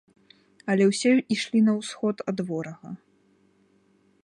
Але ўсе ішлі на ўсход ад ворага.